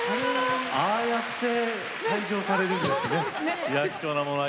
ああやって退場されるんですね。